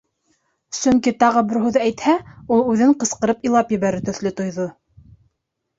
Сөнки тағы бер һүҙ әйтһә, ул үҙен ҡысҡырып илап ебәрер төҫлө тойҙо.